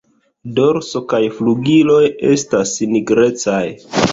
Dorso kaj flugiloj estas nigrecaj.